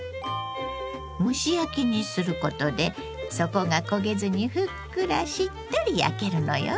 蒸し焼きにすることで底が焦げずにふっくらしっとり焼けるのよ。